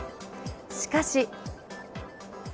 しかし。